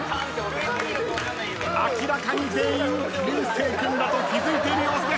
明らかに全員流星君だと気付いている様子です。